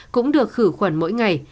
cũng được khử khuẩn mỗi ngày